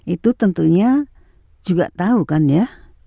itu tentunya juga tahu kan ya